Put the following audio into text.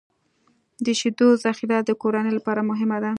د شیدو ذخیره د کورنۍ لپاره مهمه ده.